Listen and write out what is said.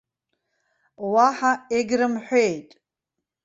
Уаҳа егьрымҳәеит.